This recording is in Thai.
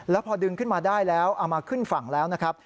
แล้วพอดึงขึ้นมาได้แล้วเอามาขึ้นฝั่งแล้วนะครับ